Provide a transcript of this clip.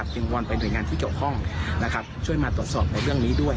วอนไปหน่วยงานที่เกี่ยวข้องช่วยมาตรวจสอบในเรื่องนี้ด้วย